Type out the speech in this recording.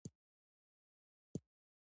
د مسلې په باب دغه نظر ورکړی وو.